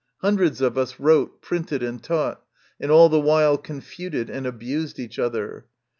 Hundreds of us wrote, printed, and taught, and all the while confuted and abused each other.